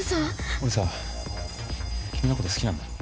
俺さ君のこと好きなんだ